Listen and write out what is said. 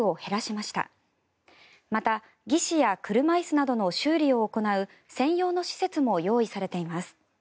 また、義肢や車椅子などの修理を行う専用の施設も用意されています。